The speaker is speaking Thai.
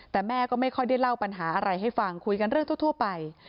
แต่แม่ก็ไม่ค่อยได้เล่าปัญหาอะไรให้ฟังคุยกันเรื่องทั่วไป